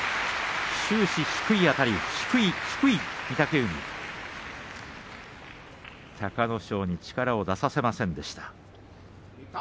終始、低いあたり低い低い御嶽海隆の勝に力を出させませんでした。